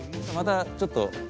またちょっと。